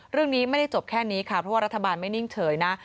เรื่องนี้ไม่ได้จบแค่นี้ค่ะเพราะว่ารัฐบาลไม่นิ่งเฉยนะ